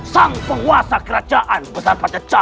sang penguasa kerajaan besar pada jalan ini